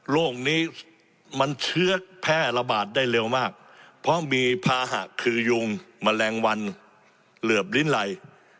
โรคนี้มันเชื้อแพร่ระบาดได้เร็วมากเพราะมีภาหะคือยุงแมลงวันเหลือบลิ้นไหล